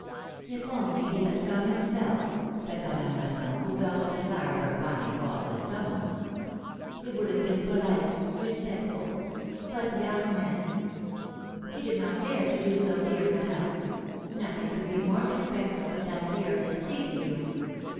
If only he had come himself," said Madame Masson, who felt a. desire for finding fault with some one. It would have been polite, respectful ; but young men —" He did not dare to do so, dear Madame ! Nothing could be more respectful than that fear of displeasing you